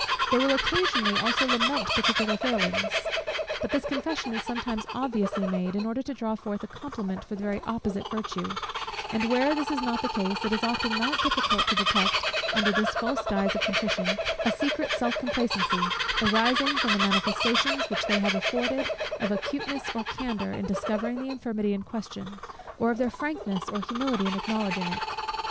They will occasionally also lament particular failings: but this confession is sometimes obviously made, in order to draw forth a compliment for the very opposite virtue: and where this is not the case, it is often not difficult to detect, under this false guise of contrition, a secret self complacency, arising from the manifestations which they have afforded of their acuteness or candour in discovering the infirmity in question, or of their frankness or humility in acknowledging it.